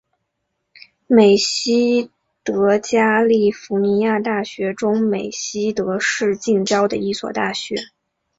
美熹德加利福尼亚大学中美熹德市近郊的一所大学。